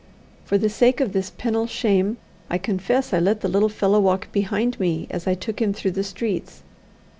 For the sake of this penal shame, I confess I let the little fellow walk behind me, as I took him through the streets.